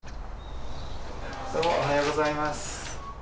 どうもおはようございます。